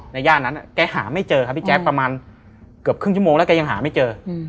ย่านนั้นแกหาไม่เจอครับพี่แจ๊คประมาณเกือบครึ่งชั่วโมงแล้วแกยังหาไม่เจอ